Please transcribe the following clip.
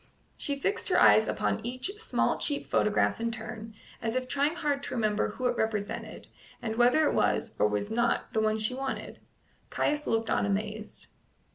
She fixed her eyes upon each small cheap photograph in turn, as if trying hard to remember who it represented, and whether it was, or was not, the one she wanted. Caius looked on amazed.